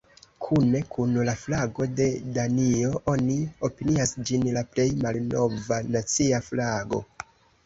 Kune kun la flago de Danio, oni opinias ĝin la plej malnova nacia flago.